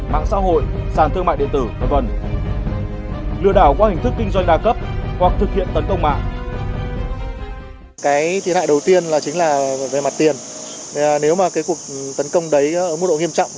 mạng xã hội sản thương mạng điện tử đồng tuần